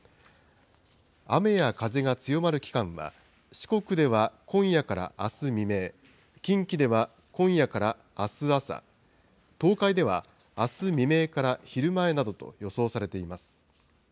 雨や風が強まる期間は、四国では今夜からあす未明、近畿では今夜からあす朝、東海ではあす未明から昼前などと予想されています。